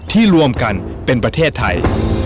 รวมกันเป็นประเทศไทย